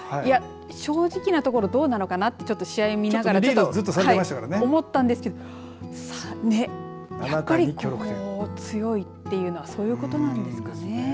正直なところどうなのかなって試合を見ながら思ったんですけどやっぱり強いというのはそういうことなんですかね。